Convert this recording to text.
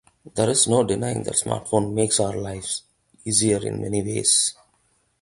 There is no denying that smartphones make our lives easier in many ways.